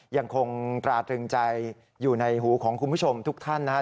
ยังคงตราตรึงใจอยู่ในหูของคุณผู้ชมทุกท่านนะครับ